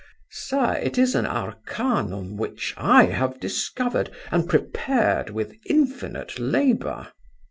Sir, it is an arcanum, which I have discovered, and prepared with infinite labour.